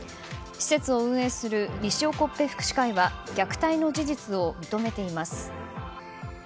施設を運営するにしおこっぺ福祉会は虐待の事実を認めています。